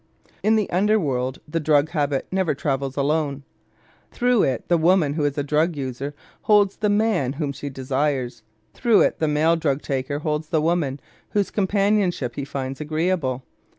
In the under world the drug habit never travels alone. Through it the woman who is a drug user holds the man whom she desires; through it the male drug taker holds the woman whose companionship he finds agreeable.